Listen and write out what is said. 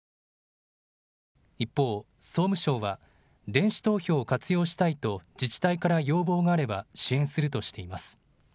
一方、総務省は電子投票を活用したいと自治体から要望があれば支援するとしています。